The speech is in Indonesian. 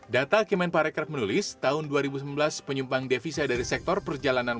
data kemenparekraf menulis tahun dua ribu sembilan belas penyumbang devisa dari sektor perjalanan